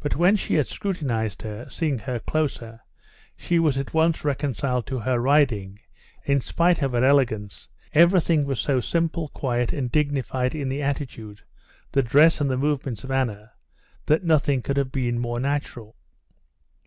But when she had scrutinized her, seeing her closer, she was at once reconciled to her riding. In spite of her elegance, everything was so simple, quiet, and dignified in the attitude, the dress and the movements of Anna, that nothing could have been more natural.